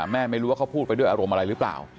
ไม่รู้ว่าเขาพูดไปด้วยอารมณ์อะไรหรือเปล่า